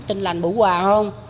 tinh lành bủ quà không